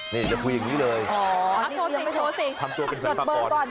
นี่จะคุยอย่างนี้เลยทำตัวเป็นฝันฝังก่อนโทษสิโทษสิ